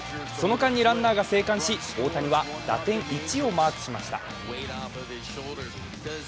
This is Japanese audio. その間にランナーが生還し大谷は打点１をマークしました。